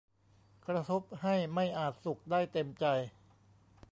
กระทบให้ไม่อาจสุขได้เต็มใจ